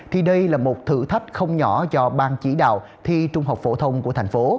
thì đây là một thử thách không nhỏ cho ban chỉ đạo thi trung học phổ thông của thành phố